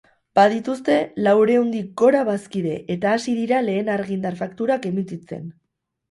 Badituzte laureundik gora bazkide eta hasi dira lehen argindar-fakturak emititzen.